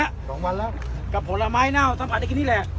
สองวันแล้วกับผลไม้เน่าสัมผัสได้กินนี่แหละ